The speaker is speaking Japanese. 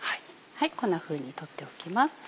こんなふうに取っておきます。